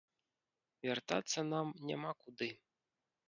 Вяртацца нам няма куды.